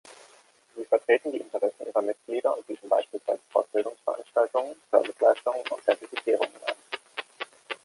Sie vertreten die Interessen ihrer Mitglieder und bieten beispielsweise Fortbildungsveranstaltungen, Serviceleistungen und Zertifizierungen an.